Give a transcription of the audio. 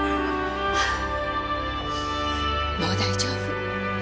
もう大丈夫。